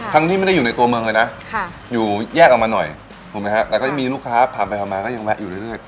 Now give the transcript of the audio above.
ที่ไม่ได้อยู่ในตัวเมืองเลยนะอยู่แยกออกมาหน่อยถูกไหมฮะแต่ก็ยังมีลูกค้าผ่านไปผ่านมาก็ยังแวะอยู่เรื่อย